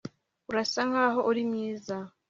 Urasa nkaho uri mwiza